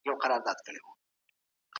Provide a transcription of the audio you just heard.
صدقه د بنده او الله ترمنځ رابطه پیاوړې کوي.